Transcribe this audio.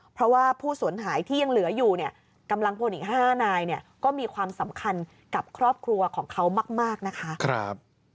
เพราะว่าผู้สูญหายที่ยังเหลืออยู่เนี่ยกำลังพลอีก๕นายเนี่ยก็มีความสำคัญกับครอบครัวของเขามากนะคะ